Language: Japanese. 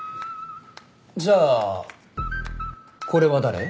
じゃあこれは誰？